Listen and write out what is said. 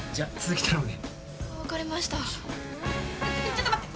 ちょっと待って。